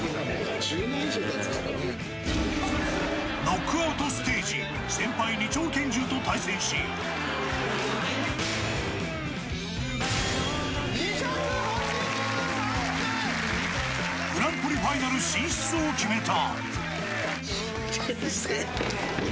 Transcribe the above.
ノックアウトステージ先輩、２丁拳銃と対戦しグランプリファイナル進出を決めた。